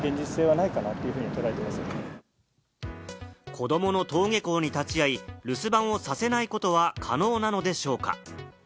子どもの登下校に立会い、留守番をさせないことは可能なのでしょうか？